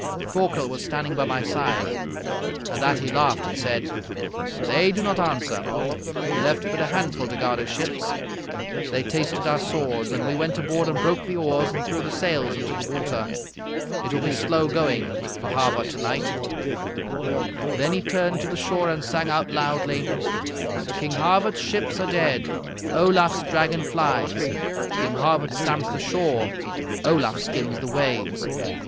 "Thorkel was standing by my side. At that he laughed and said: "'They do not answer. He left but a handful to guard his ships. They tasted our swords. And we went aboard and broke the oars and threw the sails into the water. It will be slow going for Havard to night.' [Illustration: "Then he turned to the shore and sang out loudly"] "Then he turned to the shore and sang out loudly: "'King Havard's ships are dead: Olaf's dragon flies. King Havard stamps the shore: Olaf skims the waves.